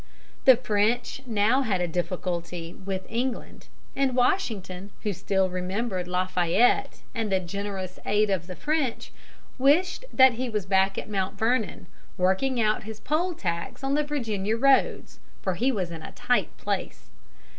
The French now had a difficulty with England, and Washington, who still remembered La Fayette and the generous aid of the French, wished that he was back at Mount Vernon, working out his poll tax on the Virginia roads, for he was in a tight place.